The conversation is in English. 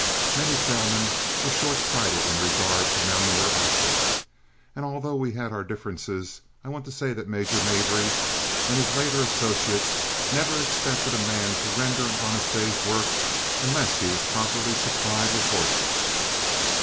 Many trail men were short sighted in regard to mounting their outfits, and although we had our differences, I want to say that Major Mabry and his later associates never expected a man to render an honest day's work unless he was properly supplied with horses.